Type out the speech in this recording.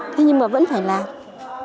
thế nhưng mà vẫn phải làm